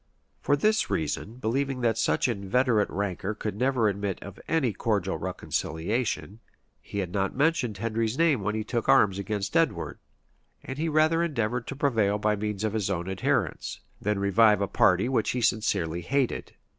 For this reason, believing that such inveterate rancor could never admit of any cordial reconciliation, he had not mentioned Henry's name when he took arms against Edward; and he rather endeavored to prevail by means of his own adherents, than revive a party which he sincerely hated.